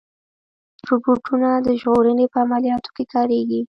روبوټونه د ژغورنې په عملیاتو کې کارېږي.